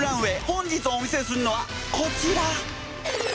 本日お見せするのはこちら！